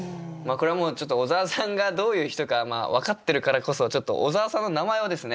これはもう小沢さんがどういう人か分かってるからこそ小沢さんの名前をですね